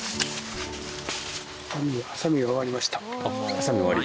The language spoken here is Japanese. ハサミ終わり？